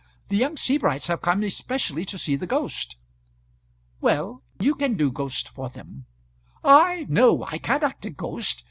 "The young Sebrights have come specially to see the ghost." "Well, you can do ghost for them." "I! no; I can't act a ghost.